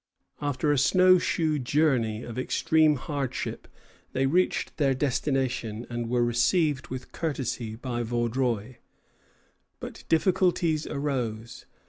After a snow shoe journey of extreme hardship they reached their destination, and were received with courtesy by Vaudreuil. But difficulties arose.